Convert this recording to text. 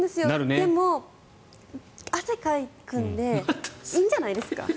でも、汗をかくのでいいんじゃないですか？